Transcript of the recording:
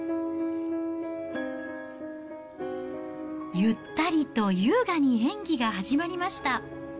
ゆったりと優雅に演技が始まりました。